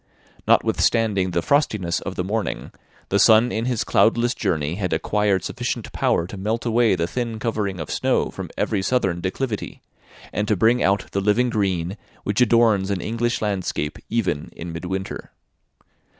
Notwithstanding the frostiness of the morning, the sun in his cloudless journey had acquired sufficient power to melt away the thin covering of snow from every southern declivity, and to bring out the living green which adorns an English landscape even in midwinter.